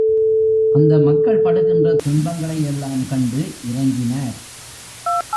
அந்த மக்கள் படுகின்ற துன்பங்களை எல்லாம் கண்டு இரங்கினார்.